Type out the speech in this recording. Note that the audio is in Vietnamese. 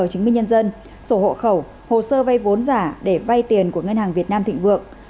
chứng minh nhân dân sổ hộ khẩu hồ sơ vay vốn giả để vay tiền của ngân hàng việt nam thịnh vượng